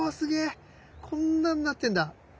こんなんなってんだ。